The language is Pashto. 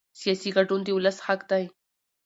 سیاسي ګډون د ولس حق دی